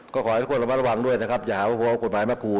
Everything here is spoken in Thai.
ขอให้ทุกคนระวังด้วยนะครับอย่าพบกฎหมายมาคู่